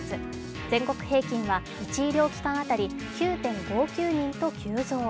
全国平均は１医療機関当たり９．５９人と急増。